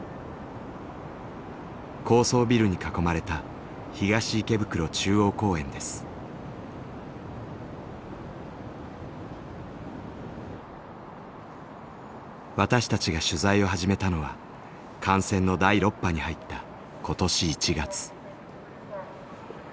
高層ビルに囲まれた私たちが取材を始めたのは感染の第６波に入った今年１月。